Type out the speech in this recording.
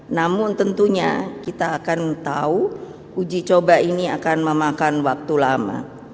namun tentunya kita akan tahu uji coba ini akan memakan waktu lama